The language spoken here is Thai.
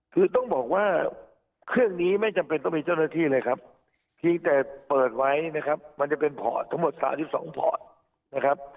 คือต้องบอกว่าเครื่องนี้ไม่จำเป็นต้องมีเจ้าหน้าที่เลยครับเพียงแต่เปิดไว้นะครับมันจะเป็นพอร์ตทั้งหมด๓๒พอร์ตนะครับ